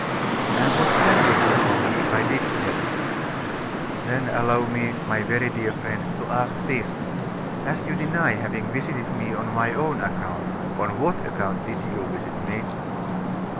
'And what can you do for me, if I did tell you?' 'Then allow me, my very dear friend, to ask this. As you deny having visited me on my own account, on what account did you visit me?